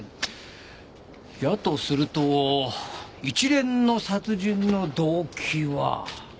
やとすると一連の殺人の動機は。